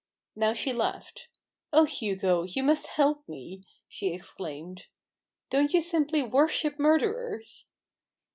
Now she laughed. " Oh, Hugo, you must help me! ,: she exclaimed. ''Don't you simply worship murderers